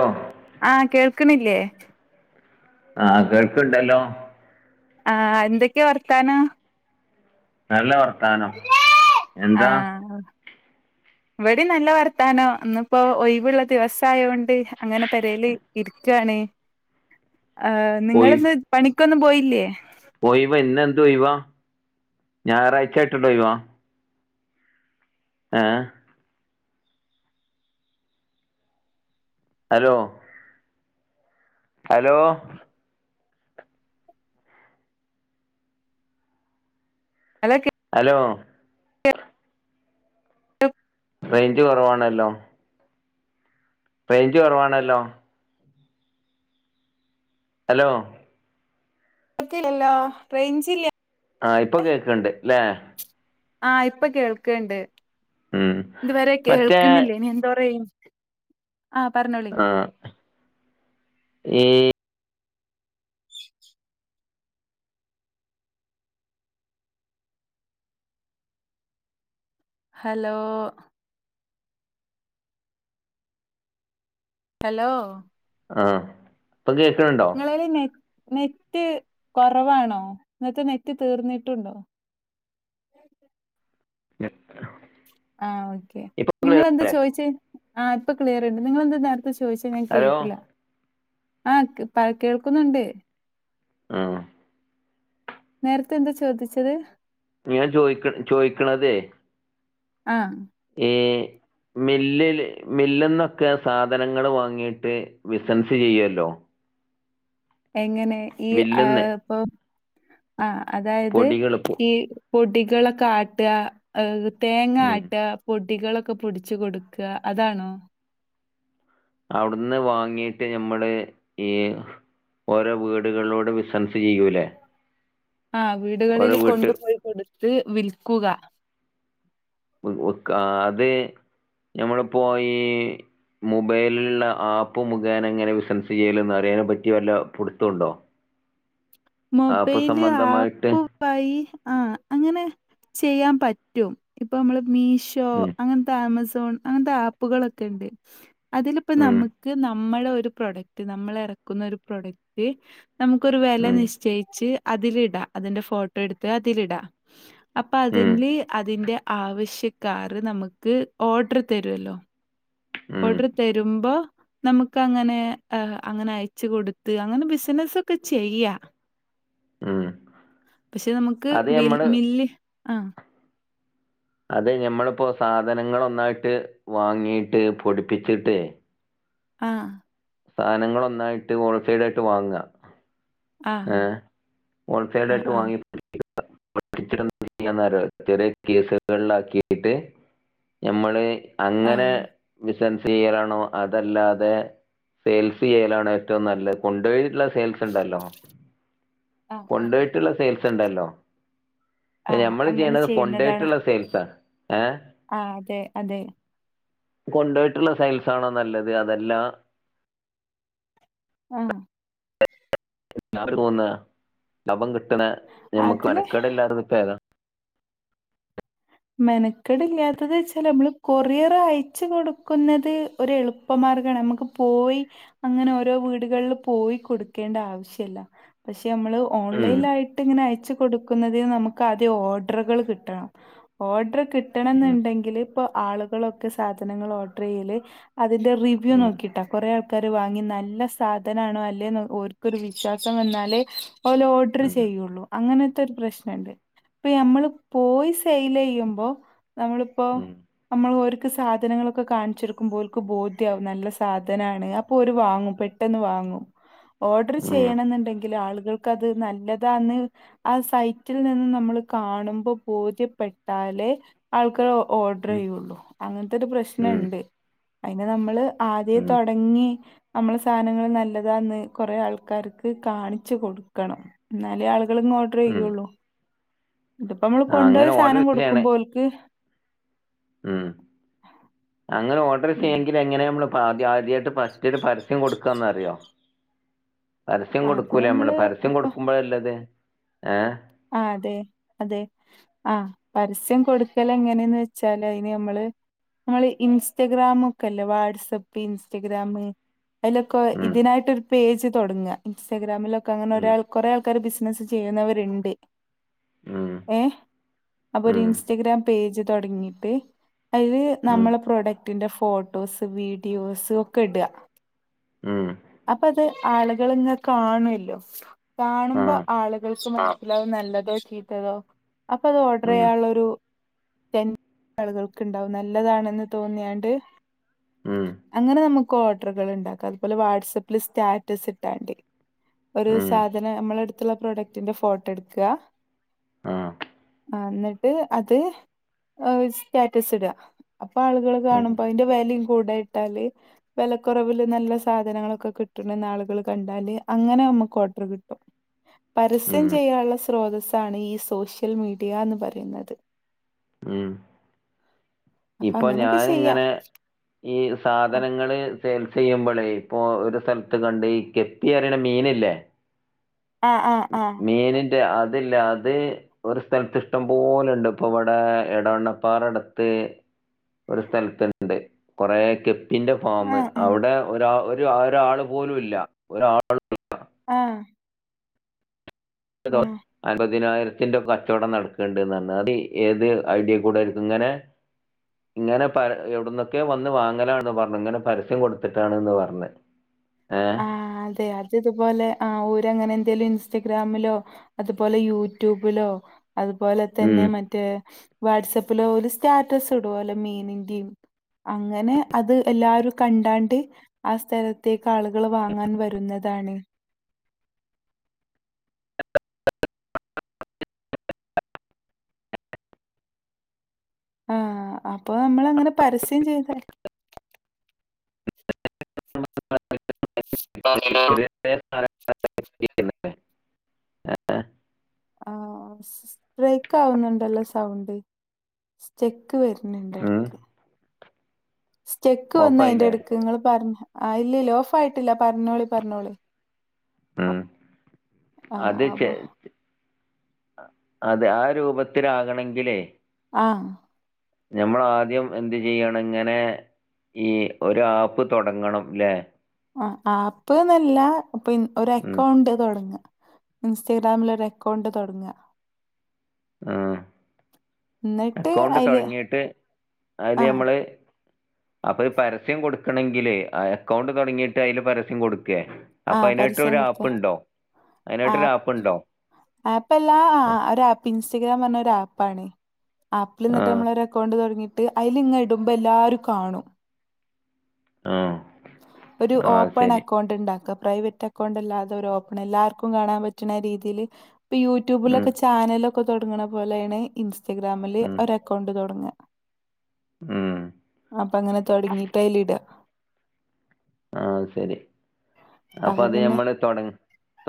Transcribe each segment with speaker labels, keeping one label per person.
Speaker 1: ഓ
Speaker 2: ആ കേൾക്കണില്ലേ
Speaker 1: ആഹ് കേൾക്ക്ണ്ടല്ലോ
Speaker 2: ആ എന്തൊക്കെയാ വർത്താനം
Speaker 1: നല്ല വർത്താനം എന്താ
Speaker 2: ആഹ് ഇവിടേം നല്ല വർത്താനോ ഇന്നിപ്പോ ഒയിവുള്ള ദിവസായോണ്ട്‌ അങ്ങനെ പെരേല് ഇരിക്കാ ക്കാണ് ആ
Speaker 1: ഒയ്
Speaker 2: നിങ്ങളിന്ന് പണിക്കൊന്നും പോയില്ലേ
Speaker 1: ഒയിവ ഞായറാഴ്ച ആയിട്ടുള്ള ഒയിവാ ആഹ് hello hello
Speaker 2: hello
Speaker 1: hello range കുറവാണല്ലോ റേഞ്ച് കുറവാണല്ലോ ഹലോ
Speaker 2: ക്കില്ലല്ലോ റേൻജ് ഇല്ല്യ
Speaker 1: ആഹ് ഇപ്പം കേക്ണ്ട് ല്ലേ
Speaker 2: ആഹ് ഇപ്പ കേൾക്ണ്ട്.
Speaker 1: ഉം
Speaker 2: ഇതുവരെ
Speaker 1: മറ്റേ
Speaker 2: കേൾക്കുന്നില്ലേനി എന്തോ റേഞ്ച് ആഹ് പറഞ്ഞോളി
Speaker 1: ഏഹ്
Speaker 2: ഹലോ ഹലോ
Speaker 1: ആ ഇപ്പൊ കേക്കണ്‌ണ്ടോ
Speaker 2: നിങ്ങളേല് നെ നെറ്റ് കൊറവാണോ ഇന്നത്തെ നെറ്റ് തീർന്നിട്ടുണ്ടോ [inaudible]
Speaker 1: [unintelligible]
Speaker 2: ആ ഓക്കെ
Speaker 1: ഇപ്പൊ
Speaker 2: നിങ്ങളെന്താ
Speaker 1: അല്ലേ
Speaker 2: ചോയിച്ചേ ആ ഇപ്പ ക്ലിയർണ്ട് നിങ്ങളെന്താ നേരത്തെ ചോയിച്ചേ ഞാൻ
Speaker 1: ഹലോ
Speaker 2: കേട്ടില്ല ആ കേൾക്കുന്നുണ്ട്.
Speaker 1: ആ
Speaker 2: നേരത്തെ എന്താ ചോദിച്ചത്?
Speaker 1: ഞാൻ ചോയിക്ക ചോയിക്കണതെ
Speaker 2: ആ
Speaker 1: ഏ മില്ലില് മില്ല്ന്നൊക്കെ സാധനങ്ങള് വാങ്ങീയിട്ട് ബിസ്നസ് ചെയ്യൊല്ലോ.
Speaker 2: എങ്ങനെ ഈ ആ ഇപ്പൊ ആ അതായത്
Speaker 1: പൊടികള് പൊ
Speaker 2: ഈ പൊടികളൊക്കെ ആട്ട, ആ തേങ്ങ
Speaker 1: ഉം
Speaker 2: ആട്ട പൊ പൊടികളൊക്കെ പൊടിച്ചു കൊടുക്ക അതാണോ?
Speaker 1: അവ്ടുന്ന് വാങ്ങിയിട്ട് നമ്മള് ഈ ഓരോ വീടുകളിലോടെ ബിസൻസ് ചെയ്യൂല്ലേ
Speaker 2: ആ വീടുകളിൽ കൊണ്ടുപോയി കൊടുത്ത് വിൽക്കുക.
Speaker 1: വിക് അത് ഞമ്മളിപ്പോ ഈ മുബൈലിലുള്ള ആപ്പ് മുഖേന എങ്ങനെ ബിസിനസ് ചെയ്യലെന്ന് അറിയതിനെ പറ്റിയ വല്ല പു ടുത്തംണ്ടോ?
Speaker 2: മൊബൈല് ആപ്പായി ആ അങ്ങനെ ചെയ്യാൻ പറ്റും ഇപ്പൊ നമ്മള് മീഷോ
Speaker 1: ഉം
Speaker 2: അങ്ങനെ താമസ അങ്ങനത്തെ ആപ്പുകളക്കെ ഇണ്ട്. അതിലിപ്പോ
Speaker 1: ഉം
Speaker 2: നമുക്ക് നമ്മ നമ്മള ഒരു പ്രൊഡക്റ്റ് നമ്മൾ ഇറക്കുന്ന ഒരു പ്രൊഡക്റ്റ് നമുക്കൊരു വെല
Speaker 1: ഉം
Speaker 2: നിശ്ച യിച്ച് അതിലിടാ അതിന്റെ ഫോട്ടോ എടുത്ത് അതിലിടാ അപ്പൊ
Speaker 1: ഉം
Speaker 2: അതില് അതിന്റെ ആവശ്യക്കാർ നമുക്ക് ഓഡർ തരൊല്ലോ
Speaker 1: ഉം
Speaker 2: ഓഡർ തരുമ്പോ നമുക്ക് അങ്ങനെ അങ്ങനെ അയച്ച കൊടുത്ത് അങ്ങനെ ബിസിനസ് ഒക്കെ ചെയ്യാ.
Speaker 1: ഉം
Speaker 2: പക്ഷെ നമുക്ക്
Speaker 1: അത്
Speaker 2: വ
Speaker 1: ഞമ്മള്
Speaker 2: മില്ല് ആ [inaudible]
Speaker 1: അതെ ഞമ്മളിപ്പോ സാധനങ്ങള് ഒന്നായിട്ട് വാങ്ങിട്ട് പൊടിപ്പിച്ചിട്ടേ
Speaker 2: ആ
Speaker 1: സാധനങ്ങള് ഒന്നായിട്ട് ഹോൾസൈഡ് ആയിട്ട് വാങ്ങ
Speaker 2: ആ.
Speaker 1: ഏ ഹോൾസെൽ
Speaker 2: ആ.
Speaker 1: ആയിട്ട്
Speaker 2: ആ.
Speaker 1: വാങ്ങി [unintelligible] ചെറിയ കീ സുകളിലാക്കിട്ട് നമ്മള്
Speaker 2: ആ.
Speaker 1: അങ്ങനെ ബിസ്നസ്സ് ചെയലാണോ അതല്ലാതെ സെയിൽസ് ചെയ്യലാണോ ഏറ്റവും നല്ലത് കൊണ്ടുപോയിട്ടുള്ള സെയിൽസ് ഇണ്ടല്ലോ.
Speaker 2: ആ. ആ.
Speaker 1: കൊണ്ട്പോയിട്ടുള്ള സെയിൽസ് ഇണ്ടല്ലോ
Speaker 2: ആ.
Speaker 1: ഞമ്മള്
Speaker 2: അങ്ങനെ
Speaker 1: ചെയ്യണത്
Speaker 2: ചെയ്യുന്നതാണ്.
Speaker 1: കൊണ്ടോയിട്ടുള്ള സെയിൽസാ. ഏഹ്
Speaker 2: ആ അതെ അതെ.
Speaker 1: കൊണ്ടോയിട്ടുള്ള സെയിൽസാണോ നല്ലത് അതല്ലാ
Speaker 2: ആ
Speaker 1: കിട്ടാൻ പോന്ന ലാഭം കിട്ടണ ഞമ്മക്ക്
Speaker 2: അതില്
Speaker 1: മെനക്കെട് ഇല്ലായിരുന്ന ഇപ്പ ഏതാ
Speaker 2: മെനക്കെട് ഇല്ലാത്തത് വച്ചാ നമ്മള് കൊറിയർ അയച്ച് കൊടുക്കുന്നത് ഒരു എളുപ്പമാ നമുക്ക് പോയി അങ്ങനെ ഓരോ വീടുകളിൽ പോയി കൊടുക്കേണ്ട ആവശ്യം ഇല്ല പക്ഷേ പക്ഷെ നമ്മള്
Speaker 1: ഉം
Speaker 2: ഓൺലൈനായിട്ട് ഇങ്ങനെ അയച്ച് കൊടുക്കുന്നതിന് നമുക്ക് ആദ്യം ഓഡറുകൾ കിട്ടണം. ഓഡർ കിട്ടണം
Speaker 1: ഉം
Speaker 2: എന്നുണ്ടെങ്കിൽ ഇപ്പോ ആളുകളൊക്കെ സാധനങ്ങൾ ഓഡർ ചെയ്യല് അതിന്റെ റിവ്യൂ
Speaker 1: ഉം
Speaker 2: നോക്കിയിട്ടാ കൊ റെ ആൾ വാങ്ങി നല്ല സാധനാണോ അല്ലെ ഓർക്കരു വിശ്വാസം വന്നാലേ ഓല് ഓർഡർ
Speaker 1: ഉം
Speaker 2: ചെയ്യും [unintelligible] അങ്ങനത്തെ പ്രശ്നംണ്ട് ഇപ്പം നമ്മള് പോയി സെയി സെയില് ചെയ്യുമ്പോ നമ്മളിപ്പോ
Speaker 1: ഉം ഉം
Speaker 2: നമ്മൾ ഓരുക്ക് സാധനങ്ങളൊക്കെ കാണിച്ച് കൊടുക്കുമ്പോ ഓല്ക്ക് ബോധ്യവും നല്ല സാധനാണ് അപ്പൊ ഓരു വാങ്ങും പെട്ടെന്ന് വാങ്ങും ഓർഡർ ചെയ്യണം എന്നുണ്ടെങ്കിൽ ആളുകൾക്ക് അത് നല്ലതാന്ന് ആ സൈറ്റിൽ നിന്ന് നമ്മൾ കാണുമ്പോ ബോധ്യപ്പെട്ട ട്ടാലേ ആൾക്കെ ഓർഡർ
Speaker 1: ഉം
Speaker 2: ചെയ്യുള്ളു അങ്ങനത്തെ ഒരു പ്രശ്നം
Speaker 1: ഉം
Speaker 2: ഇണ്ട് അയിന് നമ്മള് ആദ്യേ
Speaker 1: ഉം
Speaker 2: തൊടങ്ങി നമ്മള സാധനങ്ങൾ നല്ലതാന്ന് കുറേ ആൾക്കാർക്ക് കാണിച്ചു കൊടുക്കണം എന്നാലേ ആളുകൾക്ക് ഓർഡർ
Speaker 1: ഉം
Speaker 2: ചെയ്യുള്ളു ഇതിപ്പോ നമ്മൾ
Speaker 1: ആ
Speaker 2: കൊണ്ടുപോയി
Speaker 1: അങ്ങനെ ഓർഡർ
Speaker 2: സാധനം
Speaker 1: ചെയ്യണേ
Speaker 2: കൊടുക്കുമ്പോൽക്ക്
Speaker 1: [unintelligible]
Speaker 2: ഉം,
Speaker 1: എങ്ങനെയ നമ്മളിപ്പ ആദ്യാ ആദ്യായിട്ട് ഫസ്റ്റ് ഒരു പരസ്യം കൊടുക്കുകന്നറിയോ പരസ്യം
Speaker 2: അത്
Speaker 1: കൊടുക്കൂലേ നമ്മള് പരസ്യം
Speaker 2: ഇപ്പൊ
Speaker 1: കൊടുക്കുമ്പോഴല്ലത് ഏ
Speaker 2: ആ അതെ അതെ ആഹ് പരസ്യം കൊടുക്കലെങ്ങനെയന്ന് വെച്ചാല് അതിന് നമ്മള് നമ്മള് ഇൻസ്റ്റഗ്രാമ ഒക്കെല്ലേ വാട്സപ്പ് ഇൻസ്റ്റഗ്രാമ് അതിലൊക്കെ
Speaker 1: ഉം
Speaker 2: ഇതിനായിട്ടൊരു പേജ് തുടങ്ങുക ഇൻസ്റ്റഗ്രാമിലൊക്കെ അങ്ങനെ
Speaker 1: ഉം
Speaker 2: ഒരാൾ കുറെേ ആൾക്കാര് ബിസ്സി ബിസിനസ്സ് ചെയ്യുന്നവരുണ്ട്
Speaker 1: ഉം
Speaker 2: ഏ അപ്പ ഒരു
Speaker 1: ഉം
Speaker 2: ഇൻസ്റ്റാഗ്രാം പേജ് തൊടങ്ങിയിട്ട് അതിൽ
Speaker 1: ഉം
Speaker 2: നമ്മളെ പ്രൊഡക്റ്റ് കുട്ടിന്റെ ഫോട്ടോസ് വീഡിയോസ് ഒക്കെ ഇടുക
Speaker 1: ഉം
Speaker 2: അപ്പൊ അത് ആളുകൾ ങ്ങെ കാണുല്ലോ
Speaker 1: ആ
Speaker 2: കാണുമ്പോ ആളുകൾക്ക് നല്ലതോ ചീത്തതോ അപ്പൊ അത് ഓർഡർ
Speaker 1: ഉം
Speaker 2: ചെയ്യാനുള്ളൊരു [unintelligible] ആളുകൾക്കുണ്ടാവും നല്ലതാണെന്ന് തോന്നിയാണ്ട്
Speaker 1: ഉം
Speaker 2: അങ്ങനെ നമുക്ക് ഓർഡറുകൾ ഇണ്ടാക്കാം അതുപോലെ വാട്സആപ്പില് സ്റ്റാറ്റസ് ഇട്ടാണ്ടേ ഒരു
Speaker 1: ഉം
Speaker 2: സാധനം നമ്മളടുത്തുള്ള പ്രൊഡക്ടിന്റെ ഫോട്ടോ എടുക്കുക
Speaker 1: ആഹ്
Speaker 2: ആ എന്നിട്ട് അത് സ്റ്റാറ്റസ് ഇടുക അപ്പൊ ആളുകള്
Speaker 1: ഉം
Speaker 2: കാണുമ്പോ അതിന്റെ വിലയും കൂടെ ഇട്ടാല് വിലക്കുറവില് നല്ല സാധനങ്ങളൊക്കെ കിട്ടണത് ആളുകൾ കണ്ടാല് അങ്ങനെ നമ്മുക്ക് ഓർഡർ കിട്ടും പരസ്യം
Speaker 1: ഉം
Speaker 2: ചെയ്യാനുള്ള സ്രോതസ്സാണ് ഈ സോഷ്യൽ മീഡിയ എന്ന് പറയുന്നത്
Speaker 1: ഉം
Speaker 2: അപ്പൊ
Speaker 1: ഇപ്പൊ
Speaker 2: അങ്ങനൊക്കെ ചെയ്യാ.
Speaker 1: ഞാനിങ്ങനെ ഈ
Speaker 2: ആഹ്
Speaker 1: സാധനങ്ങള് സെയിൽസ് ചെയ്യുമ്പളേ ഇപ്പൊ ഒരു സ്ഥലത്ത് കണ്ട് ഈ ഗപ്പി എറിയണ മീനില്ലേ
Speaker 2: ആഹ് ആഹ് ആഹ്
Speaker 1: ല്ലെ അതില്ല അത് ഒരു സ്ഥലത്ത് ഇഷ്ടം പോലുണ്ട് ഇപ്പൊ ഇവിടെ എടവണ്ണപ്പാറടത്ത് ഒരു സ്ഥലത്തുണ്ട് കൊറേ ഗ ഗപ്പിന്റെ ഫാമ്
Speaker 2: ആഹ് ആഹ്
Speaker 1: അവിടെ ഒരാ ഒരാൾ പോലുംല്ല ഒരാൾ
Speaker 2: ആഹ്
Speaker 1: [unintelligible]
Speaker 2: ആഹ്.
Speaker 1: അൻപതിനായിര അമ്പതിനായിരത്തിന്റെ ഒക്കെ കച്ചവടം നടക്കണ്ട്ന്ന് പറഞ്ഞു അത് ഏത് ഐഡിയ കൂടെ ആരിക്കും ഇങ്ങനെ ഇങ്ങനെ പര എവിടന്നൊക്കെ വന്ന് വാങ്ങലാന്ന് പറഞ്ഞു ഇങ്ങനെ പരസ്യം കൊടുത്തിട്ടാണ്ന്ന് പറഞ്ഞെ
Speaker 2: ആ അതെ അത് ഇതുപോലെ ആ ഓരങ്ങനെ എന്തേലും ഇൻസ് ഇൻസ്റ്റഗ്രാമിലോ അതുപോലെ യൂട്യൂബിലോ അതുപോലെ തന്നെ
Speaker 1: ഉം.
Speaker 2: മറ്റേ വാട്സആപ്പിലൊ ഒരു സ്റ്റാറ്റസ് ഇടുവല്ലോ മീനിന്റെയും അങ്ങനെ അത് എല്ലാരും കണ്ടാണ്ട് ആ സ്ഥലത്തേക്ക് ക്കാളുകൾ വാങ്ങാൻ വരുന്നതാണ്
Speaker 1: [unintelligible]
Speaker 2: ആഹ് അപ്പൊ നമ്മൾ അങ്ങനെ പരസ്യം ചെയ്താല്
Speaker 1: [unintelligible]
Speaker 2: [unintelligible]
Speaker 1: [unintelligible]
Speaker 2: ആഹ് ബ്രേക്ക് ആവുന്നുണ്ടല്ലോ സൗണ്ട് ചെക്ക് ക്ക് വര്ന്ന്ണ്ട്
Speaker 1: ഉം
Speaker 2: എടക്ക് സ്റ്റക്ക് വന്ന് അയിന്റെ
Speaker 1: ഓഫായില്ലേ
Speaker 2: ഇടക്ക് ങ്ങള് പർഞ്ഞ ആഹ് ഇല്ലല്ല ഓഫ് ആയിട്ടില്ല പർഞ്ഞോളി പർഞ്ഞോളി
Speaker 1: ഉം അത് ചെ
Speaker 2: അപ്പൊ
Speaker 1: അതെ ആ രൂപത്തിലാകണെങ്കിലേ
Speaker 2: അഹ്
Speaker 1: ഞമ്മളാദ്യം എന്ത് ചെയ്യണം ങ്ങനെ ഈ ഒരാപ്പ് തൊടങ്ങണംലേ
Speaker 2: അഹ് ആപ്പ്ന്നല്ല പി ഒരു
Speaker 1: ഉം
Speaker 2: അക്കൗണ്ട് തൊടങ്ങ ഇന്സ്റ്റഗ്രാമിലൊരു അക്കൌണ്ട് തൊടങ്ങ
Speaker 1: ഉം
Speaker 2: എന്നിട്ട്
Speaker 1: അക്കൗണ്ട്
Speaker 2: അതില്
Speaker 1: തുടങ്ങിയിട്ട് അയില്
Speaker 2: ആഹ്
Speaker 1: അമ്മള് അപ്പൊഴ് പരസ്യം കൊടുക്കണെങ്കിലേ ആഹ് അക്കൗണ്ട് തുടങ്ങിയിട്ട് അയില് പരസ്യം കൊടു ക്കെ അപ്പൊ അയിനായിട്ട് ഒരു ആപ്പ്ണ്ടോ?
Speaker 2: ആപ് ആപ്പല്ലാ ഒരു ആപ്പ് ഇൻസ്റ്റഗ്രാം പറഞ്ഞ ഒ രാപ്പാണെ
Speaker 1: ആ
Speaker 2: ആപ്പില്ന്ന്ട്ട് നമ്മളൊരു അക്കൗണ്ട് തുടങ്ങി ട്ട് അയില്ങ്ങെ ഇടുമ്പോ എല്ലാരും കാണും
Speaker 1: ആഹ്
Speaker 2: ഒരു ഓപ്പൺ അക്കൗണ്ട്ണ്ടാക്ക് പ്രൈവറ്റ് അക്കൗണ്ട് അല്ലാതൊരോ ഓപ്പൺ എല്ലാർക്കും കാണാൻ പറ്റ്ണ രീതിയില് ഇപ്പോ
Speaker 1: ഉം
Speaker 2: യൂട്യൂബിലൊക്കെ ചാനൽ ലൊക്കെ തൊടങ്ങണ പോലേണ് ഇൻസ്റ്റഗ്രാമില്
Speaker 1: ഉം
Speaker 2: ഒരു അക്കൗണ്ട് തൊടങ്ങാ
Speaker 1: ഉം
Speaker 2: അപ്പോങ്ങനെ തൊടങ്ങീട്ട് അയില്ടാ
Speaker 1: ആത് ശെരി അപ്പോ
Speaker 2: അപ്പൊ
Speaker 1: അത്
Speaker 2: പിന്നെ
Speaker 1: ഞമ്മള് തൊട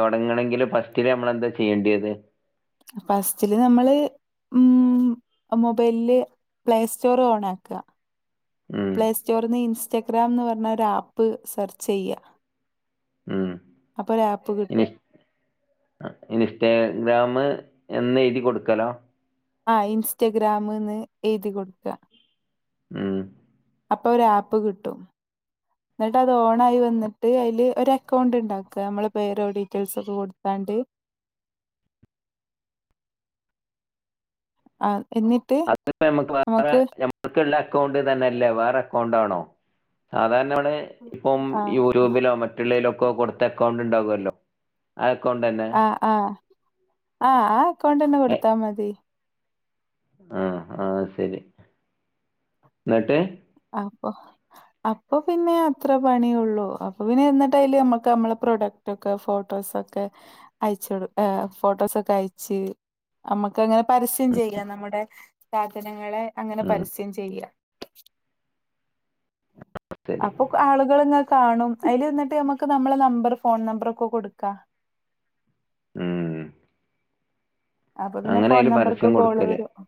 Speaker 1: തൊടങ്ങണങ്കില് ഫസ് സ്റ്റിലേ ഞമ്മളെന്താ ചിയ്യണ്ടിയേത്
Speaker 2: ഫസ്റ്റില് നമ്മള് ഉം മൊബൈലില് പ്ലേ സ്റ്റോറ് ഓണാക്കാ
Speaker 1: ഉം
Speaker 2: പ്ലേസ്റ്റോറിന്ന് ഇൻസ്റ്റഗ്രാം ന്ന് പറഞ്ഞ ഒരു ആപ്പ് സെർചെയ്യാ
Speaker 1: ഉം
Speaker 2: അപ്പോ ഒരാപ്പ് കിട്ടും
Speaker 1: ആഹ്‌ ഇൻസ്റ്റാഗ്രാമ് എന്നെഴുതി കൊടുക്കലോ
Speaker 2: ആഹ് ഇൻസ്റ്റഗ്രാമ്ന്ന് എഴുതി കൊടുക്കാ
Speaker 1: ഉം
Speaker 2: അപ്പോ ഒരാപ്പ് കിട്ടും ന്നിട്ട് അത് ഓണായി വന്നിട്ട് അയില് ഒരു അക്കൗണ്ട്ണ്ടാക്ക അമ്മളെ പേരോ ഡീറ്റെയിൽസ് ഒക്കെ കൊടുത്താ ണ്ട് ആഹ്
Speaker 1: അത്പ്പ ഞമ്മക്ക് വേറെ ഞമ്മക്ക്ള്ളേ അക്കൗണ്ട് തന്നെ അല്ലേ വേറെ അക്കൗണ്ട് ആണോ സാധാര ണെ ഇപ്പം
Speaker 2: ആ
Speaker 1: യൂട്യൂബിലോ മറ്റുള്ളേലൊക്കെ കൊടുത്ത അക്കൗണ്ട് ഉണ്ടാകുല്ലോ അ
Speaker 2: ആഹ് ആഹ് ആഹ് ആ അക്കൗണ്ടന്നെ കൊടുത്താ മതി
Speaker 1: ആഹ് അത് ശെരി ന്ന്ട്ട്
Speaker 2: അപ്പോ അപ്പോ പിന്നെ അത്ര പണിയുള്ളു അപ്പോ പിന്നെ എന്നിട്ട അയില് അമ്മക്ക് അമ്മളെ പ്രൊഡക്റ്റ് ഒക്കെ ഫോട്ടോ സൊക്കെ അയച്ച്ടും ഏഹ് ഫോട്ടോസൊക്കെ അയ്ച്ച് അമ്മക്കങ്ങനെ പരസ്യം ചെയ്യാം നമ്മുടെ സാധന ങ്ങളെ അങ്ങനെ
Speaker 1: ഉം
Speaker 2: പരസ്യം ചെയ്യാ
Speaker 1: ശരി
Speaker 2: അപ്പൊക്ക് ആളുകളിങ്ങെ കാണും അയില്ന്ന്ട്ട് അമ്മ ക്ക് നമ്മളെ നമ്പർ ഫോൺ നമ്പറൊക്കെ കൊട്ക്കാ
Speaker 1: ഉം
Speaker 2: അപ്പൊ പിന്നെ
Speaker 1: അങ്ങനെ
Speaker 2: ഫോൺ
Speaker 1: അതില്
Speaker 2: നമ്പർക്ക്
Speaker 1: പരസ്യം
Speaker 2: കോള്
Speaker 1: കൊടുക്കല്
Speaker 2: വരും ഓഹ്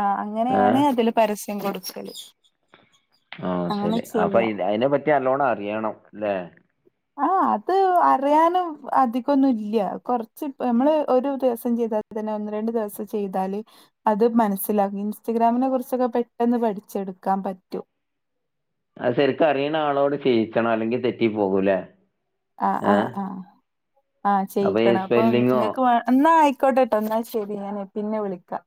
Speaker 2: ആഹ്
Speaker 1: ഏർ
Speaker 2: അങ്ങനെയാണ് അതില് പരസ് [unintelligible] കൊടുക്കല്
Speaker 1: ആ
Speaker 2: അങ്ങനെ
Speaker 1: ശരി അപ്പൊ
Speaker 2: ചെയ്യാ.
Speaker 1: ഇത് അയിനെ പറ്റി അല്ലോണം അറിയണംലേ
Speaker 2: ആ അത് അറിയാനും അധികൊന്നുല്ല്യ കുറച്ച്പ്പൊ നമ്മള് ഒരു ദിവസം ചെ യ്താ തന്നെ ഒന്ന് രണ്ട് ദിവസം ചെയ്താല് അത് മനസ്സിലാ ഇൻസ്റ്റഗ്രാമിനെ കുറിച്ചൊക്കെ പെട്ടെന്ന് പഠി ച്ചെടുക്കാം പറ്റൂ
Speaker 1: അ ശെരിക്കറീണ ആളോട് ചെയ്യിച്ചണം അല്ലെങ്കിൽ തെറ്റി പോകൂലെ
Speaker 2: ആ ആ ആആ
Speaker 1: ഈ
Speaker 2: ചെയ്യിക്കണം അപ്പൊ
Speaker 1: സ്പെല്ലിങ്ങോ
Speaker 2: നിങ്ങക്ക് വാ ന്നാ അയി ക്കോട്ടെട്ടോ ന്നാശരി ഞാന് പിന്നെ വിളിക്കാ